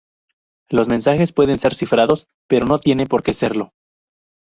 Los mensajes pueden ser cifrados, pero no tiene por que serlo.